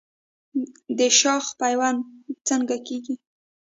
د شاخ پیوند څنګه کیږي؟